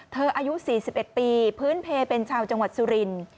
อายุ๔๑ปีพื้นเพลเป็นชาวจังหวัดสุรินทร์